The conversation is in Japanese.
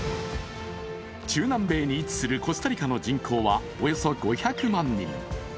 中南米に位置するコスタリカの人口はおよそ５００万人。